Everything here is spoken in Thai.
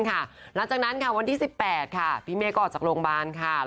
หลังจากนั้นวันที่๑๘พี่เมฆก็ออกจากโรงพยาบาล